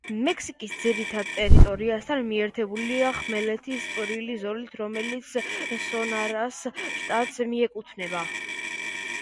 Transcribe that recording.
მექსიკის ძირითად ტერიტორიასთან მიერთებულია ხმელეთის წვრილი ზოლით, რომელიც სონორას შტატს მიეკუთვნება.